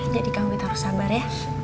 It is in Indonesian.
jadi kawin harus sabar ya